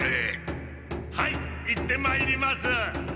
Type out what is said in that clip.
はい行ってまいります！